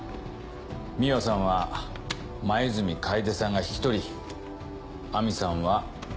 美羽さんは黛かえでさんが引き取り亜美さんは。